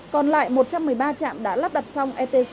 còn lại một trăm một mươi ba trạm đã lắp đặt xong etc